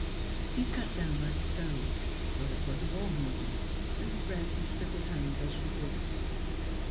He sat down by the stove, though it was a warm evening, and spread his shrivelled hands over the griddles.